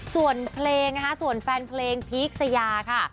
ส่วนเพลงนะคะส่วนแฟนเพลงพีคสยาค่ะ